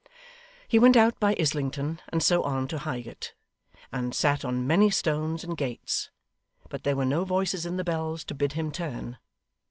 He went out by Islington and so on to Highgate, and sat on many stones and gates, but there were no voices in the bells to bid him turn.